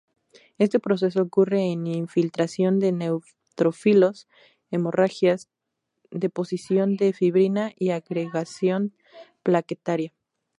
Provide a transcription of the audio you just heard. Este proceso ocurre en infiltración de neutrófilos, hemorragias, deposición de fibrina y agregación plaquetaria.